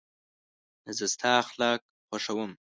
زه ستا اخلاق خوښوم.